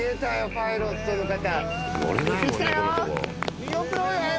パイロットの方。